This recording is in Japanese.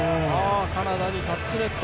カナダにタッチネット。